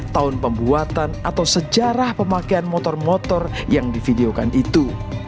tahun pembuatan atau sejarah pemakaian motor motor yang divideokan itu